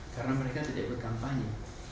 karena mereka tidak ikut kampanye